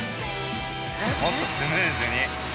◆もっとスムーズに。